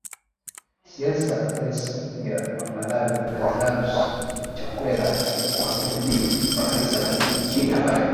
siasa Rais mpya wa Malawi Lazarus Chakwera alikuwa muhubiri wa kanisa la kiinjili ambaye